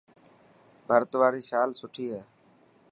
ڀرت واري شال سٺي هي.